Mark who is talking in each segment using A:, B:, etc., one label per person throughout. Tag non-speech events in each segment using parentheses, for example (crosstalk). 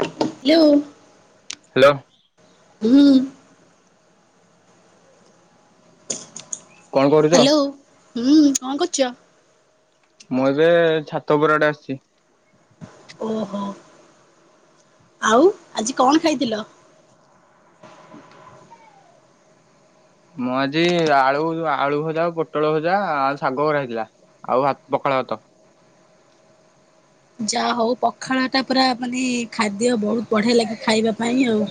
A: Hello.
B: Hello.
A: ହୁଁ।
B: କଣ କରୁଛ?
A: ହ୍ୟାଲୋ ହୁଁ କଣ କରୁଛ?
B: ମୁଁ ଏବେ ଛାତ ଓପର ଆଡେ ଆସିଛି।
A: ଓହୋ ଆଉ ଆଜି କଣ ଖାଇଥିଲ?
B: ମୁଁ ଆଜି ଆଳୁ ଆଳୁ ଭଜା ଆଉ ପୋଟଳ ଭଜା ଆଉ ଶାଗ କରାହେଇଥିଲା। ଆଉ ଭା ପଖାଳ ଭାତ।
A: ଯାହା ହଉ ପଖାଳ ଟା ପୁରା ମାନେ ଖାଦ୍ୟ ବହୁତ ବଢିଆ ଲାଗେ ଖାଇବା ପାଇଁ ଆଉ।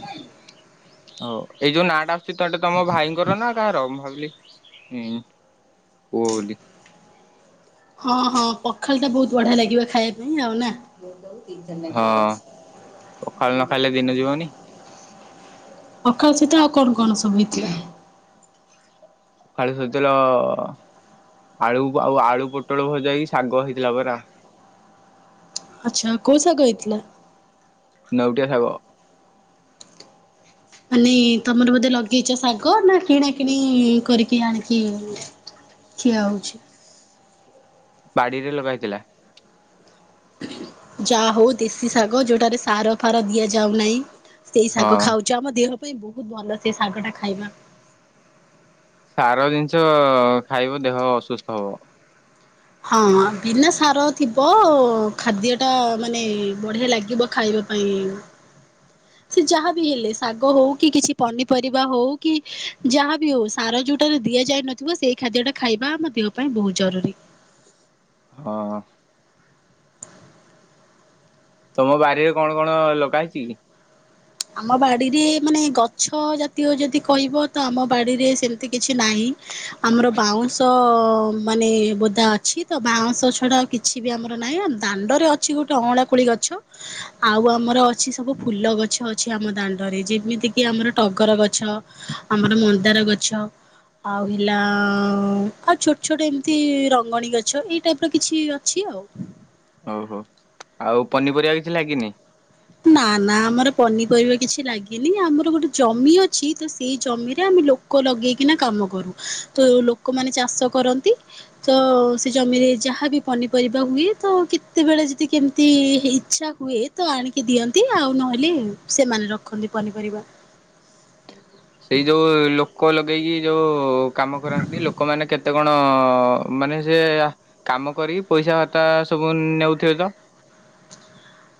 B: ହୋଉ ଏଇ ଯୋଉ ନାଟା ଆସୁଛି ତ ଏଟା ତମ ଭାଇଙ୍କର ନା କାହାର? ମୁଁ ଭାବିଲି ହୁଁ ପୁଅ ବୋଲି।
A: ହଁ ହଁ ପଖାଲ ଟା ବହୁତ ବଢିଆ ଲାଗିବ ଖାଇବା ପାଇଁ ଆଉ ନା।
B: ହଁ ପଖାଳ ନ ଖାଇଲେ ଦିନ ଯିବନି।
A: (unintelligible) ପଖାଳ ସହିତ ଆଉ କଣ କଣ ସବୁ ହେଇଥିଲା?
B: ଖାଳ ସହିତଳ ଆଳୁ ଆଉ ଆଳୁ ପୋଟଳ ଭଜା ହେଇକି ଶାଗ ହେଇଥିଲା ପରା।
A: ଆଚ୍ଛା କୋଉ ଶାଗ ହେଇଥିଲା?
B: ନେଉଟିଆ ଶାଗ।
A: ମାନେ ତମର ବୋଧେ ଲଗେଇଛ ଶାଗ ନା କିଣା କିିଣି କରିକି ଆଣିକି ଖିଆ ହେଉଛି।
B: ବାଡିରେ ଲଗା ହେଇଥିଲା
A: ଯାହା ହଉ ଦେଶୀ ଶାଗ ଯୋଉଟାରେ ସାର ଫାର ଦିଆଯାଉନାହିଁ ସେଇ ଶାଗ
B: ହଁ।
A: ଖାଉ ଚ ଆମ ଦେହ ପାଇଁ ବହୁତ ଭଲ ସେ ଶାଗଟା ଖାଇବା।
B: ସାର ଜିନିଷ ଖାଇବ ଦେହ ଅସୁସ୍ଥ ହବ।
A: ହଁ ବିନା ସାର ଥିବ ଖାଦ୍ୟ ଟା ମାନେ ବଢିଆ ଲାଗିବ ଖାଇବାକୁ। ପାଇଁ ସେ ଯାହାବିି ହେଲେ ଶାଗ ହଉ, କି କିଛି ପନିପରିବା ହଉ, କି ଯାହାବି ହଉ। ସାର ଯୋଉଟାରେ ଦିଆଯାଇନଥିବ ସେଇ ଖାଦ୍ୟଟା ଖାଇବା ଆମ ଦେହ ପାଇଁ ବହୁତ ଜରୁରୀ।
B: ହଁ, ହଁ। ତମ ବାରିରେ କଣ କଣ ଲଗା ହେଇଛି କି?
A: ଆମ ବାଡ଼ିରେ ମାନେ ଗଛ ଜାତୀୟ ଯଦି କହିବ ତ ଆମ ବାଡ଼ିରେ ସେମିତି କିଛି ନାହିଁ। ଆମର ବାଉଁଶ ମାନେ ବୋଦା ଅଛି ତ ବାଉଁଶ ଛଡ଼ା କି ଛିବି ଆମର ନାଇଁ, ଆମ ଦାଣ୍ଡରେ ଅଛି ଗୋଟେ ଅଁଳା କୋଳି ଗଛ। ଆଉ ଆମର ଅଛି ସବୁ ଫୁଲ ଗଛ ଅ ଅଛି ଆମ ଦାଣ୍ଡରେ ଯେମିତି କିି ଆମର ଟଗର ଗଛ, ଆମର ମନ୍ଦାର ଗଛ। ଆଉ ହେଲା ଆଉ ଛୋଟ ଛୋଟ ଏମିତି ରଙ୍ଗଣୀ ଗଛ ଏଇ ଟାଇପର କିଛି ଅଛି ଆଉ।
B: ହଉ, ହଉ, ଆଉ ପନିପରିବା କିଛି ଲାଗିନି?
A: ନା ନା ଆମର ପନିପରିବା କିଛି ଲାଗିନି ଆମର ଗୋଟେ ଜମି ଅଛି ତ ସେଇ ଜମିରେ ଆମେ ଲୋ କ ଲଗେଇକିନା କାମ କରୁ, ତ ଲୋକମାନେ ଚାଷ କରନ୍ତି। ତ ସେ ଜମିରେ ଯାହାବିି ପନିପରିବା ହୁଏ ତ କେତେବେଳେ ଯଦି କେମିତି ହେଇଚ୍ଛା ହୁଏ ତ ଆଣିକି ଦିଅନ୍ତି ଆଉ ନହେଲେ ସେମାନେ ରଖନ୍ତି ପନିପରିବା।
B: ସେଇ ଯୋଉ ଲୋକ ଲଗେଇକି ଯୋଉ କାମ କରାନ୍ତି ଲୋକମାନେ କେତେ କଣ ମାନେ ସେ କାମ କରିକି ପଇସା ଭାତା ସବୁ ନେଉଥିବେ ତ?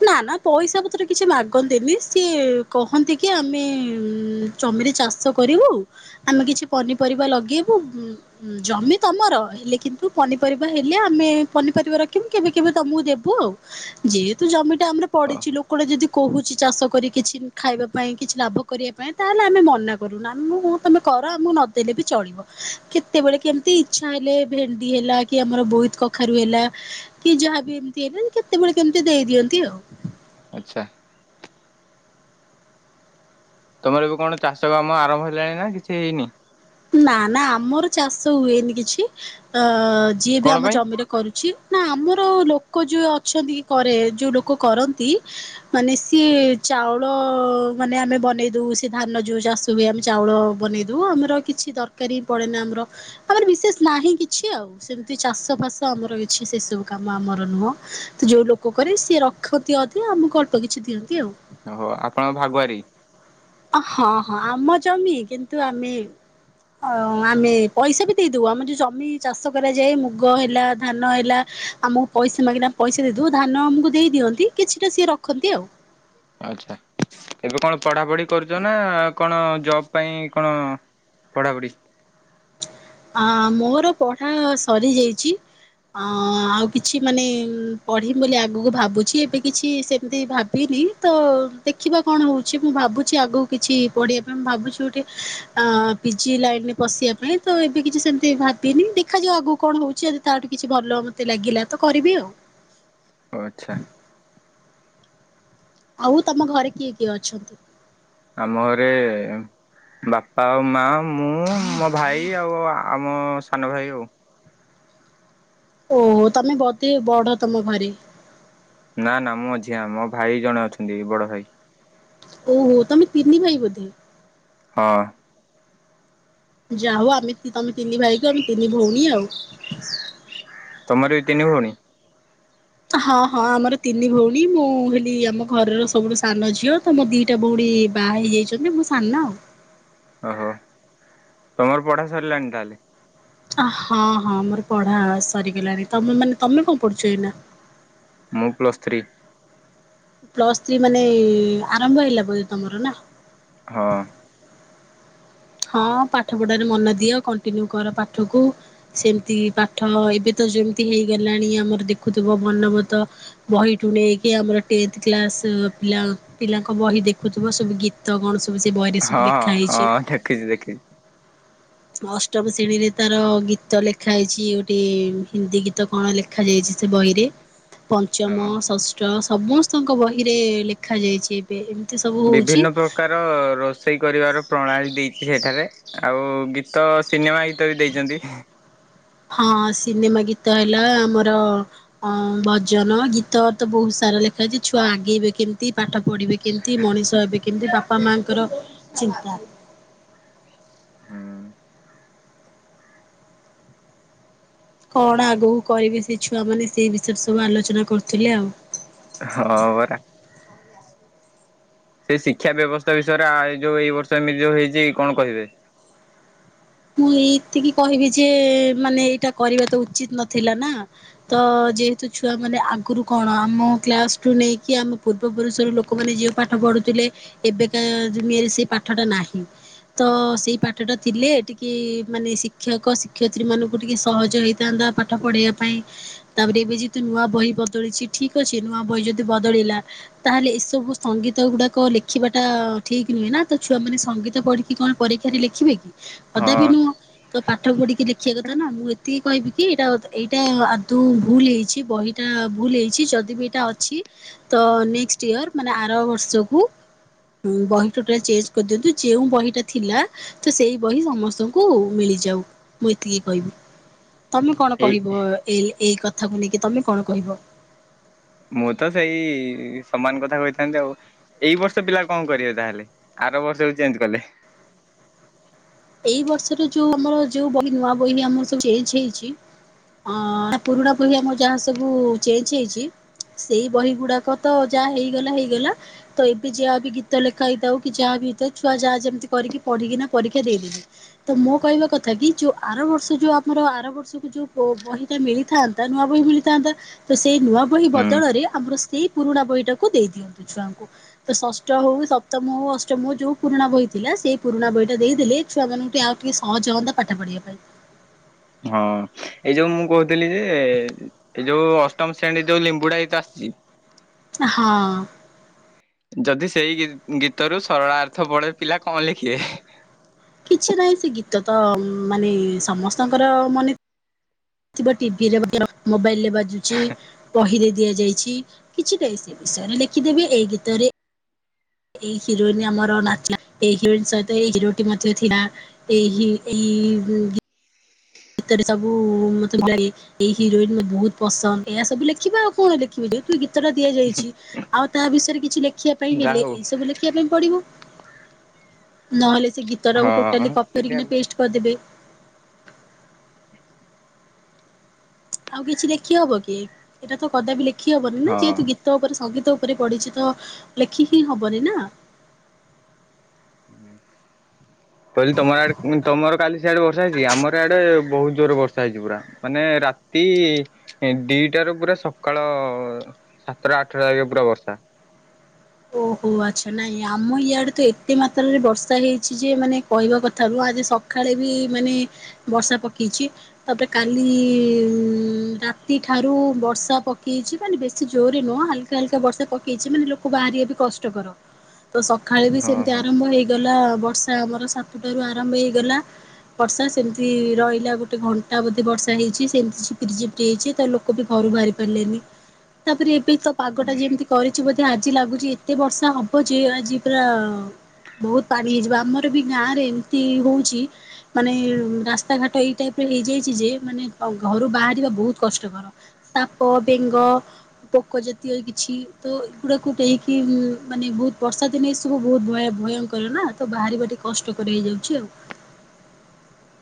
A: ନା ନା ପଇସା ପତ୍ର କିଛି ମାଗନ୍ତିନି ସିଏ କହନ୍ତି କି ଆମେ ଉଁ ଜମିରେ ଚାଷ କରିବୁ, ଆମେ କିଛି ପନିପରିବା ଲଗେଇବୁ। ଜମି ତମର ହେଲେ କିନ୍ତୁ ପନିପରିବା ହେଲେ ଆମେ ପନିପରିବା ରଖିବୁ କେବେ କେବେ ତମକୁ ଦେବୁ ଆଉ। ଯେହେତୁ ଜମିଟା ଆମର
B: ଓ
A: ପଡିଚି ଲୋକଟେ ଯଦି କହୁଛି ଚାଷ କରି କିଛି ଖାଇବା ପାଇଁ କିଛି ଲାଭ କରିବା ପାଇଁ ତାହେଲେ ଆମେ ମନା କରୁନା, ମୁ ମୁ ତମେ କର ଆମକୁ ନଦେଲେ ବି ଚଳିବ। କେତେବେଳେ କେମିତି ଇଚ୍ଛା ହେଲେ ଭେଣ୍ଡି ହେଲା କି ଆମର ବୋଇତ୍ କଖାରୁ ହେଲା କି ଯାହାବି ଏମିତି ହେଲେ କେତେବେଳେ କେମିତି ଦେଇ ଦିଅନ୍ତି ଆଉ।
B: ଆଚ୍ଛା। ତମର ଏବେ କଣ ଚାଷ କାମ ଆରମ୍ଭ ହେଲାଣି ନା କିଛି ହେଇନି?
A: ନା ନା ଆମର ଚାଷ ହୁଏନି କିଛି, ଅ ଯିଏ ବି
B: କଣ
A: ଆମ
B: ପାଇଁ?
A: ଜମିରେ କରୁଛି, ନାଁ ଆମର ଲୋକ ଯୋଉ ଅଛନ୍ତି କି କରେ ଯୋଉ ଲୋକ କରନ୍ତି। ମାନେ ସିଏ ଚାଉଳ ମାନେ ଆମେ ବନେଇ ଦଉ ସେ ଧାନ ଯୋଉ ଚାଷ ଷ ହୁଏ ଆମେ ଚାଉଳ ବନେଇ ଦଉ ଆମର କିଛି ଦରକାର ହିଁ ପଡ଼େନା ଆମର ଆମର ବିଶେଷ୍ ନାହିଁ କିଛି ଆଉ। ସେମିତି ଚାଷ ଫାଷ ଆମର କିଛି ସେ ସବୁ କାମ ଆମର ନୁହଁ, ତ ଯୋଉ ଲୋକ କରେ ସିଏ ର ଖନ୍ତି ଅଧେ ଆମକୁ ଅଳ୍ପ କିଛି ଦିଅନ୍ତି ଆଉ।
B: ଓହୋ ଆପଣଙ୍କ ଭାଗୁଆରୀ।
A: ଅ, ହଁ, ହଁ, ଆମ ଜମି କିନ୍ତୁ ଆମେ ହଁ ଆମେ ପଇସାବି ଦେଇଦବୁ, ଆମର ଯୋଉ ଜମି ଚାଷ କରାଯାଏ ମୁଗ ହେଲା ଧାନ ହେଲା ଆମକୁ ପଇସା ମାଗିଲେ ଆମେ ପଇସା ଦେଇଦଉ ଧାନ ଆମକୁ ଦେଇ ଦିଅନ୍ତି କିଛିଟା ସିଏ ରଖନ୍ତି ଆଉ।
B: ଆଚ୍ଛା ଏବେ କଣ ପଢ଼ାପଢି କରୁଚ ନା କଣ ଜବ୍ ପାଇଁ କଣ? ପଢ଼ାପଢ଼ି?
A: ହଁ ମୋର ପଢ଼ା ସରି ଯାଇଚି। ହଁ ଆଉ କିଛି ମାନେ ପଢ଼ିମି ବୋଲି ଆଗକୁ ଭାବୁଛି ଏବେ କିଛି ସେମିତି ଭାବିନି। ତ ଦେଖିବା କଣ ହଉଛି ମୁଁ ଭାବୁଛି ଆଗକୁ କିଛି ପଢ଼ିବା ପାଇଁ ମୁଁ ଭାବୁଛି ଗୋଟେ ଆଁ ପିଜି ଲାଇନରେ ପଶିବା ପାଇଁ। ତ ଏବେ କିଛି ସେମିତି ଭାବିନି ଦେଖାଯାଉ ଆଗକୁ କଣ ହଉଛି ଯଦି ତାଠୁ କିଛି ଭଲ ମୋତେ ଲାଗିଲା ତ କରିବି ଆଉ।
B: ଓ ଆଚ୍ଛା।
A: ଆଉ ତମ ଘରେ କିଏ କିଏ ଅଛନ୍ତି?
B: ଆମ ଘରେ ବାପା ଆଉ ମା ମୁଁ ମୋ ଭାଇ ଆଉ ଆମ ସାନ ଭାଇ ଆଉ
A: ଓହୋ ତମେ ବତେ ବଡ ତମ ଘରେ
B: ନା ନା ମୁଁ ଅଝିଆ ମୋ ଭାଇ ଜଣେ ଅଛନ୍ତି ବଡ ଭାଇ।
A: ଓହୋ ତମ ତିନି ଭାଇ ବଧେ
B: ହଁ।
A: ଯା ହଉ ଆମେ ତମେ ତିନି ଭାଇ କ ଆମେ ତିନି ଭଉଣୀ ଆଉ।
B: ତମର ବିଇ ତିନି ଭଉଣୀ।
A: ହଁ ହଁ ଆମର ତିନି ଭଉଣୀ ମୁଁ ହେଲି ଆମ ଘରର ସବୁଠୁ ସାନ ଝିଅ। ତ ମୋର ଦିଟା ଭଉଣୀ ବାହା ହେଇଯାଇଛନ୍ତି ମୋ ସାନ ଆଉ।
B: ଓହୋ ତମର ପଢ଼ା ସରିଲାଣି ତାହେଲେ?
A: ହଁ ହଁ ମୋର ପଢା ସରିଗଲାଣି ତମେ ମାନେ ତମେ କଣ ପଢୁଛ ଏଇନା?
B: ମୁଁ ପ୍ଲସ୍ ଥ୍ରୀ।
A: ପ୍ଲସ୍ ଥ୍ରୀ ମାନେ ଆରମ୍ଭ ହେଇଲା ବ ତମର ନା?
B: ହଁ।
A: ହଁ ପାଠ ପଢାରେ ମନ ଦିଅ କଣ୍ଟିନ୍ୟୁ କର ପାଠକୁ। ସେମିତି ପାଠ ଏବେ ତ ଯେମିତି ହେଇଗଲାଣି ଆମର ଦେଖୁଥିବ ବଲବତ ବହିଠୁ ନେଇକି ଆମର କ୍ଲାସ ପା ପିଲାଙ୍କ ବହି ଦେଖୁଥିବ ସବୁ ଗୀତ ଗୀତ କଣ ସବୁଜ ବହିରେ ଲେଖା ହେଇଛି।
B: ଦେଖଛି ଦେଖି
A: ଅଷ୍ଟମ ଶ୍ରେଣୀରେ ତାର ଗୀତ ଲେଖା ହେଇଛି ଗୋଟେ ହିନ୍ଦୀ ଗୀତ କଣ ଲେଖା ଦେଖାାଯାଇଛି ସେ ବହିରେ। ପଞ୍ଚମ
B: ହଁ
A: ଷଷ୍ଠ ସମସ୍ତଙ୍କ ବହିରେ ଲେଖାଯାଇଛି। ଏ ଏମିତି ସବୁ
B: ବିଭିନ୍ନ
A: ହଉଛି।
B: ପ୍ରକାର ରୋଷେଇ କରିବାର ପ୍ରଣାଳୀ ଦେଇଛି ସେଠାରେ। ଆଉ ଗୀତ ସିନେମା ଗୀତ ବି ଦେଇଛନ୍ତି।
A: ହଁ ସିନେମା ଗୀତ ହେଲା ଆମର ଅଁ ଭଜନ ଗୀତ ତ ବହୁତ ସାରା ଲେଖାଛି ଛୁଆ ଆଗେଇବେ କେମତି ପାଠ ପଢ଼ିବେ କେମିତି ମଣିଷ ହେବେ କେମିତି ବାପା ମାଆଙ୍କର ଚିନ୍ତା।
B: ହୁ।
A: କଣ ଆଗକୁ କରିବେ ସେ ଛୁଆମାନୋନେ ସେଇ ବିଷୟରେ ସବୁ ଆଲୋଚନା କରୁଥିଲେ ଆଉ।
B: ହଁ ପରା। ସେ ଶିକ୍ଷା ବ୍ୟବସ୍ଥା ବିଷୟରେ ଆ ଯୋଉ ଏଇ ବର୍ଷ ଏମିତି ଯୋଉ ହେଇଛି କଣ କହିବେ?
A: ମୁଁ ଏଇତିକି କହିବି ଯେ ମାନେ ଏଇଟା କରିବା ତ ଉଚିତ ନଥିଲା ନା। ତ ଯେହେତୁ ଛୁଆ ମାନେ ଆଗରୁ କଣ ଆମ କ୍ଲାସୁଟୁ ନେଇକି ଆମ ପୂର୍ବ ପୁରୁଷର ଲୋ ଲୋକମାନେ ଯୋଉ ପାଠ ପଢୁଥିଲେ ଏବେକା ଦୁନିଆରେ ସେ ପାଠ ଟା ନାହିଁ। ତ ସେଇ ପାଠଟା ଥିଲେ ଟିକେ ମାନେ ଶିକ୍ଷକ ଶିକ୍ଷୟତ୍ରୀ ମାନଙ୍କୁ ଟିକେ ସହଜ ହେଇଥାନ୍ତା ପାଠ ପଢେଇବା ପାଇଁ ତାପରେ ଏବେ ଯେ ତୁ ନୂଆ ବହି ବଦଳିଛି ଠିକ ଅଛି। ନୂଆ ବହି ଯଦି ବଦଳିଲା ତାହେଲେ ଏସବୁ ସଙ୍ଗୀତ ଗୁଡାକ ଲେଖିବାଟା ଠିକ ନୁହେଁ ନା ତ ଛୁଆ ମାନେ ସଙ୍ଗୀତ ପଢି କି କଣ ପରୀକ୍ଷାରେ ଲେଖିବେ କି
B: ହଁ
A: କଦାପି ନୁହଁ ତ ପାଠ ପଢିକି ଲେଖିବା କଥା ନା ମୁଁ ଏତିକି କହିବି କି ଏଇଟା ଏଇଟା ଆଦୌ ଭୁଲ ହେଇଛି ବହି ଏଇଟା ଭୁଲ ହେଇଛି ଯଦି ବି ଏଇଟା ଅଛି ତ ନେକ୍ସଟ ଇୟର ମାନେ ଆର ବର୍ଷକୁ ହୁଁ ବହି ଟୋଟାଲ ଚେଞ୍ଚ କରିଦିଅନ୍ତୁ ଯେଉଁ ବହିଟା ଥିଲା ତ ସେଇ ବହି ସମସ୍ତଙ୍କୁ ମିଳିଯାଉ ମୁଁ ଏତିକି କହିବି ତମେ କଣ
B: ଏଇ
A: କହିବ ଏ ଏଇ କଥାକୁ ନେଇକି ତମେ କଣ କହିବ।
B: ମୁଁ ତ ସେଇ ସମାନ କଥା କହିଥାନ୍ତି ଆଉ। ଏଇ ବର୍ଷ ପିଲା କଁ କରିବେ ତାହେଲେ ଆର ବର୍ଷକୁ ଚେଞ୍ଜ କଲେ।
A: ଏଇ ବର୍ଷେରେ ଯୋଉ ଆମର ଯେଉ ବହି ନୂଆ ବହି ଆମର ସବୁ ଚେଞ୍ଚ ହେଇଛି ଅଁ ଆ ପୁରୁଣା ବହି ଆମର ଯାହା ସବୁ ଚେଞ୍ଚ ହେଇଛି ସେଇ ବହିଗୁଡାକ ତ ଯା ହେଇଗଲା ହେଇଗଲା ତ ଏବେ ଯା ବି ଗୀତ ଲେଖା ହେଇଥାଉ କି ଯାହା ବି ହେଇଥାଉ ଛୁଆ ଯା ଯେମିତି କରିକି ପଢିକିନା ପରୀ କ୍ଷା ଦେଇଦେବେ ତ ମୋ କହିବା କଥା କି ଯୋଉ ଆର ବର୍ଷ ଯୋଉ ଆମର ଆର ବର୍ଷକୁ ଯୋଉ ପୋ ବହି ଟା ମିଳିଥାନ୍ତା ନୂଆ ବହି ମିଳିଥାନ୍ତା ତ ସେଇ ନୂଆ ବହି
B: ହୁଁ
A: ବଦଳରେ ଆମର ସେଇ ପୁରୁଣା ବହିଟାକୁ ଦେଇ ଦିଅନ୍ତୁ ଛୁଆଙ୍କୁ। ତ ଷଷ୍ଟ ହଉ ସପ୍ତମ ହଉ ଅଷ୍ଟମ ହଉ ଯୋଉ ପୁରୁଣା ବହି ଥିଲା ସେଇ ପୁରୁଣା ବହିଟା ଦେଇ ଦେଲେ ଛୁଆମାନୁଙ୍କୁ ଆଉ ଟିକେ ସହଜ ହୁଅନ୍ତା ପାଠ ପଢିବା ପାଇଁ।
B: ହଁ। ଏଇ ଯୋଉ ମୁଁ କହୁଥିଲି ଯେ ଏଇ ଯୋଉ ଅଷ୍ଟମ ଶ୍ରେଣୀରେ ଯୋଉ ଲିମ୍ବୁଡା ଗୀତ ଆସିଚି
A: ଆ ହଁ।
B: ଯଦି ସେଇ ଗୀ ଗୀତରୁ ସରଳାର୍ଥ ପଡେ ପିଲା କଁ ଲେଖିବେ।
A: କିଛି ନାହିଁ ସେ ଗୀତ ତ ଉଁ ମାନେ ସମସ୍ତଙ୍କର ମନେ ଥିବ ଟିଭିରେ (unintelligible) ମୋବାଇଲରେ ବାଜୁଛି ବହିରେ ଦିଆଯାଇଛି କିଛିଟେ ସେ ବିଷୟରେ ଲେଖିଦେବେ ଏଇ ଗୀତରେ ଏଇ ହିରୋଇନି ଆମର ନାଚି (unintelligible) ଏଇ ହିରୋଇନ୍ ସହିତ ଏଇ ହିରୋଟି ମଧ୍ୟ ଥିଲା। ଏଇ ହି ଏଇ ଗୁ ଗୀ ତରେ ସବୁ ମତେ ଭଲ ଲାଗେ। ଏଇ ହିରୋଇନ୍ ମତେ ବୋହୁତ ପସନ୍ଦ ଏଇଆ ସବୁ ଲେଖିବେ ଆଉ କଣ ଲେଖିବେ ଯେ ଗୀ ତଟା ଦିଆଯାଇଛି ଆଉ ତା ବିଷୟରେ କିଛି ଲେଖିଆ ପାଇଁ
B: ଯାହା
A: ହେଲେ
B: ହଉ
A: ଏଇ ସବୁ ଲେ ଖିଆ ପାଇଁ ପଡିବ ନହେଲେ ସେ ଗୀତଟାକୁ ଟୋଟାଲି
B: ହଁ
A: କପି
B: ସେଇଟା
A: କରିକିନା
B: ଆଉ
A: ପେଷ୍ଟ କରିଦେବେ। ଆଉ କିଛି ଲେଖି ହବକି ଏଇଟା ତ କଦାପି ଲେଖି ହବନି ନା
B: ହଁ।
A: ଯେହେତୁ ଗୀ ତ ଉପରେ ସଙ୍ଗୀତ ଉପରେ ପଢିଛି ତ ଲେଖି ହିଁ ହବନି ନା।
B: ହୁଁ। କହିଲି ତମ ଆଡେ ଉଁ ତମର କାଲି ସିଆଡେ ବର୍ଷା ହେଇଛି କି ଆମର ଆଡେ ବୋହୁତ ଜୋର ବର୍ଷା ହେଇଛି ପୁରା। ମାନେ ରାତି ଏଁ ଦିଟାରୁ ପୁରା ସକାଳ ସାତେଟା ଆଠେଟା ଯାକେ ପୁରା ବର୍ଷା।
A: ଓହୋ ଆଚ୍ଛା ନାଇଁ ଆମ ଇଆଡେ ତ ଏତେ ମାତ୍ରାରେ ବର୍ଷା ହେଇଛି ଯେ ମାନେ କହିବା କଥା ମୁଁ ଆଜି ସ ଖାଳେ ବି ମାନେ ବର୍ଷା ପକେଇଛି। ତାପରେ କାଲି ଉଁ ରାତି ଠାରୁ ବର୍ଷା ପକେଇଛି ମାନେ ବେଶୀ ଜୋରେ ନୁହଁ ହାଲ କା ହାଲକା ବର୍ଷା ପକେଇଛି ମାନେ ଲୋକ ବାହାରିବା ବି କଷ୍ଟକର। ତ ସଖାଳେ ବି
B: ହଁ
A: ସେମତି
B: ହଁ।
A: ଆରମ୍ଭ ହେଇଗଲା ବର୍ଷା ଆମର ସାତୁଟାରୁ ଆରମ୍ଭ ହେଇଗଲା। ବର୍ଷା ସେମତି ରହିଲା ଗୋଟେ ଘଣ୍ଟା ବୋଧେ ବର୍ଷା ହେଇଛି ସେମତି ଝିପିରି ଝିପିରି ହେଇଛି ତ ଲୋ କ ବି ଘରୁ ବାହାରି ପାରିଲେନି ତାପରେ ଏବେ ତ ପାଗଟା ଯେମତି କରିଛି ବୋଧେ ଆ ଜି ଲାଗୁଛି ଏତେ ବର୍ଷା ହବ ଯେ ଆଜି ପୁରା ବୋହୁତ ପାଣି ହେଇଯିବ ଆମର ବି ଗାଁରେ ଏମତି ହଉଚି ମାନେ ଉଁ ରାସ୍ତାଘାଟ ଏଇ ଟାଇପର ହେଇଯାଇଛି ଯେ ମାନେ ଘ ଘରୁ ବାହାରିବା ବୋହୁତ କଷ୍ଟକର। ସାପ ବେଙ୍ଗ ପୋକ ଜାତୀୟ କିଛି ତ କୁକୁଡାକୁ ଟେଇକି ଉଁ ମାନେ ବୋହୁତ ବର୍ଷା ଦିନେ ଏସବୁ ବୋହୁତ ଭୟା ଭୟଙ୍କର ନା ତ ବାହାରିବା ଟି କଷ୍ଟକର ହେଇଯାଉଛି ଆଉ।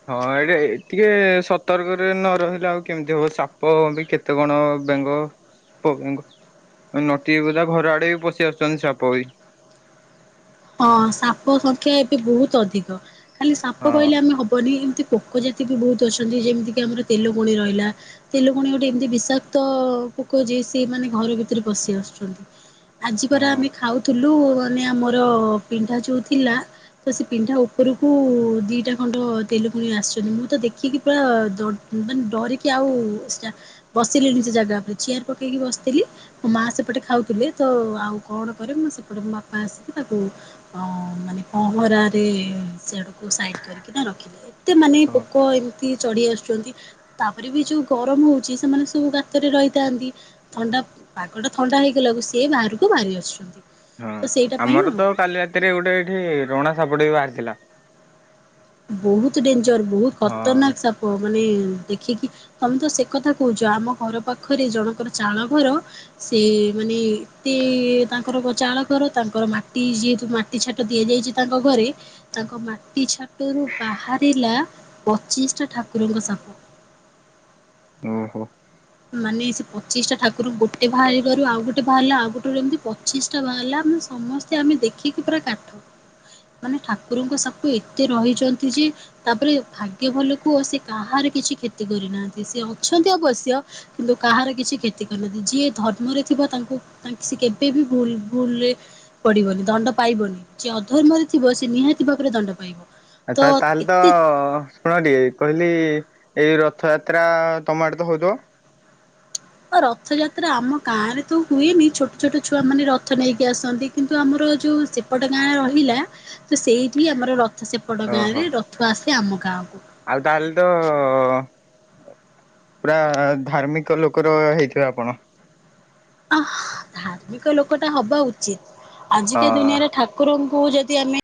B: ହଁ ଏଇଟେ ଟିକେ ସତର୍କରେ ନ ରହିଲେ ଆଉ କେମିତି ହବ ସାପ ବି କେ ତେ କଣ ବେଙ୍ଗ ପଙ୍ଗ୍ ଅଁ ନଟି ଗୁରା ଘର ଆଡେ ବି ପଶି ଆସୁଚନ୍ତି ସାପ ବି।
A: ହଁ ସାପ ସଂଖ୍ୟା ଏବେ ବହୁତ୍ ଅଧିକ ଖାଲି ସାପ
B: ହଁ
A: କହିଲେ ଆମେ ହବନି ଏମ୍ତି (unintelligible) (unintelligible) ଜାତି ବି ବହୁତ୍ ଅଛନ୍ତି ଯେମିତି କିି ଆମର ତେଲଗୁଣି ରହିଲା। ତେଲୁକୁୁଣି ଗୋଟେ ଏମିତି ବିଷାକ୍ତ ପୋକ ଯେ ସିଏ ମାନେ ଘର ଭିତରେ ପଶି ଆସୁଛନ୍ତି। ଆଜି ପରା
B: ହଁ
A: ଆମେ ଖାଉଥିଲୁ ମାନେ ଆମର ପିଣ୍ଢା ଯୋଉ ଥିଲା ତ ସେ ପିଣ୍ଢା ଉପରକୁ ଦିଟା ଖଣ୍ଡ ତେଲୁକୁଣି ଆସିଛନ୍ତି ମୁଁ ତ ଦେଖିକି ପୁରା (unintelligible) ମାନ୍ ଡରିକି ଆଉ ସେଟା ବସିଲିନି ସେ ଜାଗା ଉପରେ ଚିୟାର୍ ପକେଇକି ବସ୍ଥିଲି ମୋ ମା ସେପଟେ ଖାଉଥିଲେ ତ ଆଉ କଣ କରେ ମୁଁ ସେପଟେ ମୋ ବାପା ଆସ୍ (unintelligible) ତାକୁ ଅଁ ମାନେ ପହଁରାରେ ସିଆଡ଼କୁ ସାଇଡ଼୍ କରିକିନା ରଖିଲେ। ଏତେ ମାନେ
B: ହଁ।
A: ପୋକ ଏମ୍ତି ଚଢି ଆସୁଚନ୍ତି ତାପରେ ବି ଯୋଉ ଗରମ ହଉଚି ସେମାନେ ସବୁ ଗାତରେ ରହିଥାନ୍ତି। ଥଣ୍ଡା ପାଗଟା ଥଣ୍ଡା ହେଇଗଲାକୁ ସିଏ ବାହାରକୁ ବାହାରି ଆସୁଛନ୍ତି
B: ହଁ
A: ତ ସେଇଟା ପାଇଁ
B: ଆମର
A: ଆଉ
B: ତ କାଲି ରାତିରେ ଗୋଟେ ଏଇଠି ରଣା ସାପଟେ (unintelligible) ବାହାରିଥିଲା।
A: ବହୁତ୍ ଡେଞ୍ଜର୍ ବହୁତ୍
B: ହଁ
A: ଖତରନାକ୍ ସାପ ମାନେ ଦେଖିକି ତମେ ତ ସେ କଥା କହୁଚ ଆମ ଘର ପାଖରେ ଜଣଙ୍କର ଚାଳ ଘର ସେ ମାନେ ଏତେ ତାଙ୍କର କ ଚାଳ କର ତାଙ୍କର ମାଟି ଯେହେତୁ ମା ଟି ଛାଟ ଦିଆଯାଇଚି ତାଙ୍କ ଘରେ ତାଙ୍କ ମାଟି ଛା ତରୁ ବାହାରିଲା ପଚିଶ୍ ଟା ଠାକୁରଙ୍କ ସାପ।
B: ଓହୋ।
A: ମାନେ ସେ ପଚିଶ୍ ଟା ଠାକୁର ଗୋଟେ ବାହାରିବାରୁ ଆଉ ଗୋଟେ ବାହାରିଲା ଆଉ ଗୋଟରୁ ଏମିତି ପଚିଶ୍ ଟା ବାହାରିଲା ମାନେ ସମସ୍ ତେ ଆମେ ଦେଖିକି ପୁରା କାଠ ମାନେ ଠାକୁରଙ୍କ ସାପ ଏତେ ରହିଚନ୍ତି ଯେ ତାପରେ ଭାଗ୍ୟ ଭଲ କୁଅ ସେ କାହାର କିଛି କ୍ଷତି କରିନାହାନ୍ତି ସେ ଅଛନ୍ତି ଅବଶ୍ୟ କିନ୍ତୁ କାହାର କିଛି କ୍ଷତି କରିନହାନ୍ତି ଯିଏ ଧର୍ମରେ ଥିବ ତାଙ୍କୁ ତା ଙ୍କ୍ ସେ କେବେ ବି ଭୁଲ୍ ଭୁଲ୍ ରେ ପଡିବନି ଦଣ୍ଡ ପାଇବନି ଯିଏ ଅଧର୍ମରେ ଥିବ ସେ ନିହାତି ଭାବରେ ଦଣ୍ଡ ପାଇବ। ତ
B: ଆଚ୍ଛା ତାହେଲେ ତ
A: ଏତେ
B: ଶୁଣ ଟି କହିଲି ଏଇ ରଥଯାତ୍ରା ତମ ଆଡେ ତ ହଉଥିବ?
A: ଓ ରଥଯାତ୍ରା ଆମ ଗାଁ ରେ ତ ହୁଏନି ଛୋଟ ଛୋଟ ଛୁଆମାନେ ରଥ ନେଇକି ଆସନ୍ତି କିନ୍ତୁ ଆମର ଯୋଉ ସେ ସେପଟ ଗାଁରେ ରହିଲା ତ ସେଇଠି ଆମର ରଥ ସେପଟ
B: ଓହୋ
A: ଗାଁରେ ରଥ ଆସେ ଆମ ଗାଁକୁ।
B: ଆଉ ତାହେଲେ ତ ଅ-ଅ-ଅ ପୁରା ଧାର୍ମିକ ଲୋକର ହେଇଥିବ ଆପଣ?
A: ଆ ଧାର୍ମିକ ଲୋକ ଟା ହବା ଉଚିତ୍ ଆଜିକା
B: ହଁ।
A: ଦୁନିଆରେ ଠାକୁରଙ୍କୁ ଯଦି ଆମେ